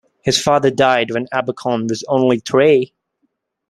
His father died when Abercorn was only three.